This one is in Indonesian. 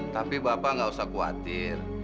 tapi bapak tidak perlu khawatir